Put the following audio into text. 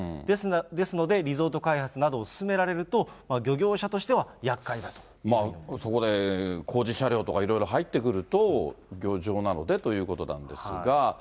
ですので、リゾート開発などを進められると、漁業者としてはやっそれ、工事車両とかいろいろ入ってくると、漁場なのでということなんですが。